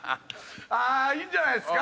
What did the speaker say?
ああーいいんじゃないですか？